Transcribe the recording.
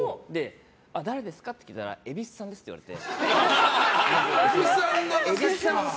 誰ですかって聞いたら蛭子さんですって言われて。